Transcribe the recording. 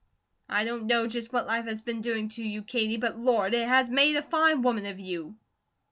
I don't know just what life has been doing to you, Katie, but Lord! it has made a fine woman of you."